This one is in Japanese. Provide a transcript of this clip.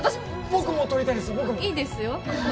僕もいいですよ